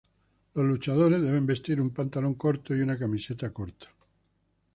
Los luchadores deben vestir un pantalón corto y una camiseta corta.